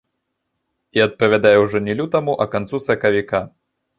І адпавядае ўжо не лютаму, а канцу сакавіка.